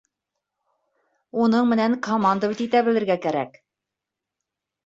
Уның менән командовать итә белергә кәрәк.